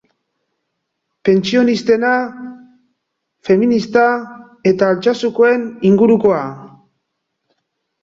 Pentsionistena, feminista eta Altsasukoen ingurukoa.